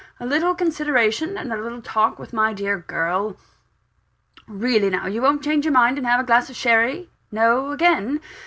A little consideration, and a little talk with my dear girl really now, won't you change your mind and have a glass of sherry? (No again?)